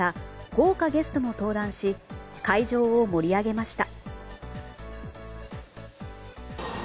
豪華ゲストも登壇し会場を盛り上げました。